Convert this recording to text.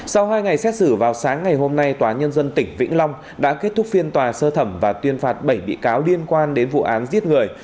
sau hai ngày xét xử vào sáng ngày hôm nay tòa nhân dân tỉnh vĩnh long đã kết thúc phiên tòa sơ thẩm và tuyên phạt bảy bị cáo liên quan đến vụ án giết người